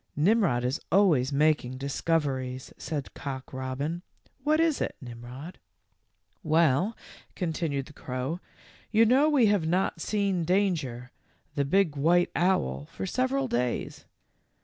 "Nimrod is always making discoveries," said Cock robin. "What is it, Nimrod?" 150 THE LITTLE FORESTERS. "Well," continued the crow, "you know we have not seen Danger, 'the big white owl, for several days.